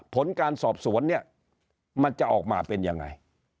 ผลการสอบสวนเนี่ยมันจะออกมาเป็นยังไง